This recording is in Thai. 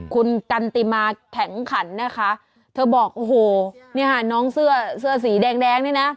คุณกันติมาแข็งขันนะคะเธอบอกโอ้โหเนี่ยค่ะน้องเสื้อเสื้อสีแดงแดงนี่นะ